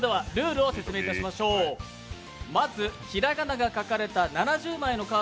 ルールを説明いたしましょう。